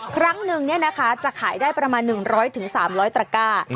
ครั้งนึงจะขายได้ประมาณ๑๐๐๓๐๐ตระก้า